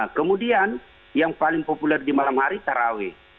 kemudian yang paling populer di malam hari taraweh